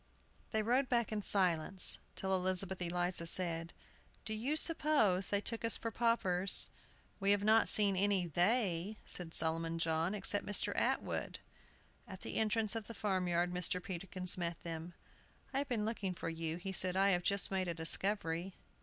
They rode back in silence, till Elizabeth Eliza said, "Do you suppose they took us for paupers?" "We have not seen any 'they,'" said Solomon John, "except Mr. Atwood." At the entrance of the farm yard Mr. Peterkin met them. "I have been looking for you," he said. "I have just made a discovery."